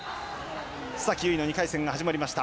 須崎優衣の２回戦が始まりました。